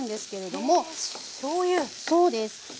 そうです。